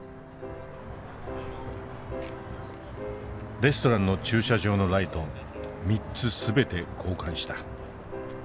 レストランの駐車場のライト３つ全て交換した。